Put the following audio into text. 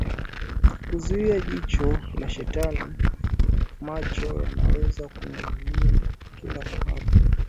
kuzuia jicho la shetani Macho yanaweza kununuliwa kila mahali